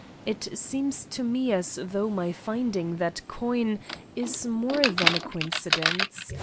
It seems to me as though my finding that coin is more than a coincidence.